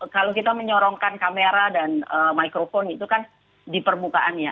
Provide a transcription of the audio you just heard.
kalau kita menyorongkan kamera dan mikrophone itu kan di permukaannya